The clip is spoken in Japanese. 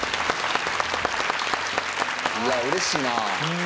いやうれしいな。